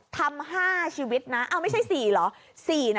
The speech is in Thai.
ทำ๕ชีวิตนะไม่ใช่๔เหรอ